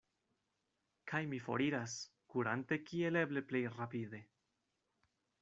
Kaj mi foriras, kurante kiel eble plej rapide.